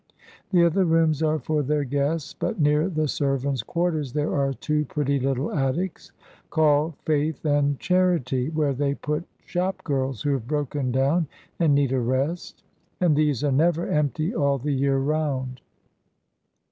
The other rooms are for their guests, but near the servants' quarters there are two pretty little attics called 'Faith' and 'Charity,' where they put shop girls who have broken down and need a rest; and these are never empty all the year round.